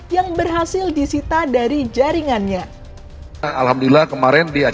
yang berhasil disita dari jaringannya